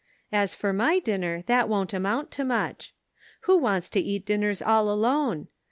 As for my dinner that won't amount to much. Who wants to eat dinners all alone